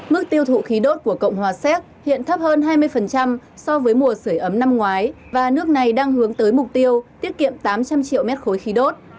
mức tiêu thụ khí đốt của cộng hòa séc hiện thấp hơn hai mươi so với mùa sửa ấm năm ngoái và nước này đang hướng tới mục tiêu tiết kiệm tám trăm linh triệu mét khối khí đốt